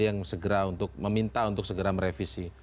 yang meminta untuk segera merevisi